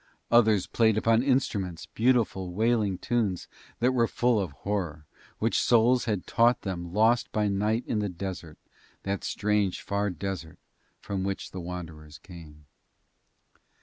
Others played upon instruments beautiful wailing tunes that were full of horror, which souls had taught them lost by night in the desert, that strange far desert from which the Wanderers came.